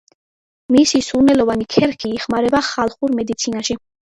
მისი სურნელოვანი ქერქი იხმარება ხალხურ მედიცინაში.